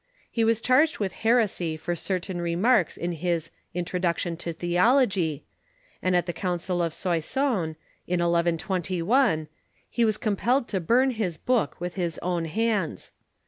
He was charged with heresy for cer tain remarks in his "Introduction to Theology," and at the Council of Soissons, in 1121, he was compelled to burn his book with his own hands.